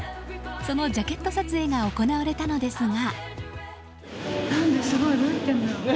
そのジャケット撮影が行われたのですが。